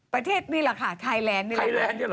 ประเทศนี่แหละค่ะไทแแลนด์